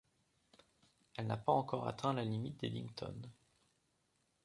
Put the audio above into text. Elle n'a pas encore atteint la limite d'Eddington.